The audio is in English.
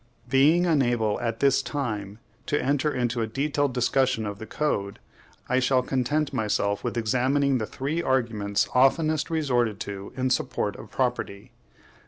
Being unable, at this time, to enter upon a detailed discussion of the Code, I shall content myself with examining the three arguments oftenest resorted to in support of property.